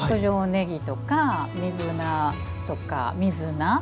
ねぎとか、壬生菜とか水菜。